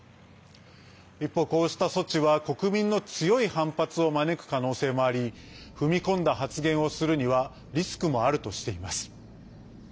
一方、こうした措置は国民の強い反発を招く可能性もあり踏み込んだ発言をするにはリスクもあるとしています。